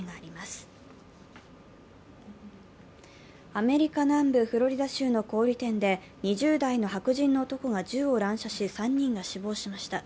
アメリカ南部フロリダ州の小売店で２０代の白人の男が銃を乱射し３人が死亡しました。